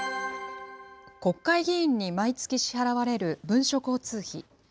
国会議員に毎月支払われる文書交通費。